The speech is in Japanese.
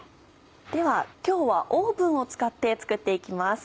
では今日はオーブンを使って作って行きます。